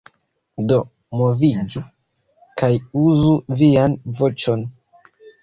Do moviĝu, kaj uzu vian voĉon.